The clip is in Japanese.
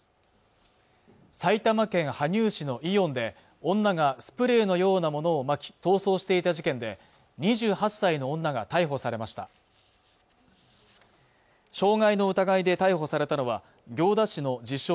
埼玉県羽生市のイオンで女がスプレーのようなものをまき逃走していた事件で２８歳の女が逮捕されました傷害の疑いで逮捕されたのは行田市の自称